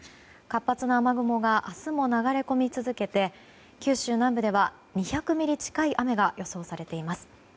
活発な雨雲が明日も流れ込み続けて九州南部では２００ミリ近い雨が予想されています。